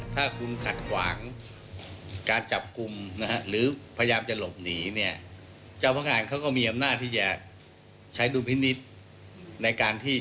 ถ้าคุณขัดขวางการจับกลุ่มหรือพยายามจะหลบหนี